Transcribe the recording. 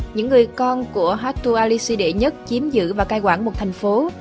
những người con của hattuasili i chiếm giữ và cai quản một thành phố